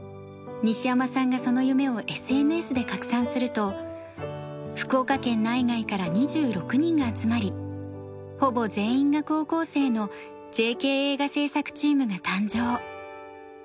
西山さんがその夢をＳＮＳで拡散すると福岡県内外から２６人が集まりほぼ全員が高校生のＪＫ映画制作チームが誕生。